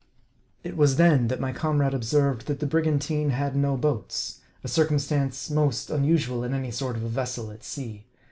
It was then, that my comrade observed, that the brigan tine had no boats, a circumstance most unusual in any sort of a vessel at sea.